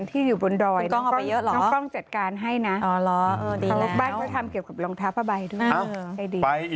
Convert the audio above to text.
น้องกล้องจะจัดการให้นะ